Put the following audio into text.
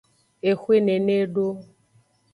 Exwe nene edo.